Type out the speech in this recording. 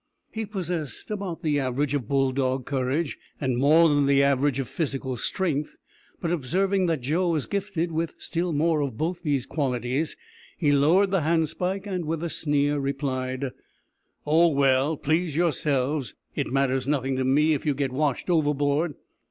He possessed about the average of bull dog courage and more than the average of physical strength, but observing that Joe was gifted with still more of both these qualities, he lowered the handspike, and with a sneer replied "Oh, well please yourselves. It matters nothing to me if you get washed overboard.